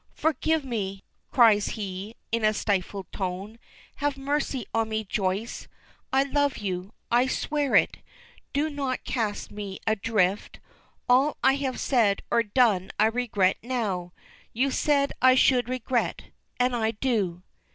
"Forgive me!" cries he, in a stifled tone. "Have mercy on me, Joyce! I love you I swear it! Do not cast me adrift! All I have said or done I regret now! You said I should regret, and I do."